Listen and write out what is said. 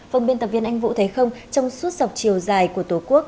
phòng biên tập viên anh vũ thấy không trong suốt dọc chiều dài của tổ quốc